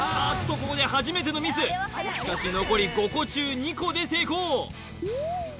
ここで初めてのミスしかし残り５個中２個で成功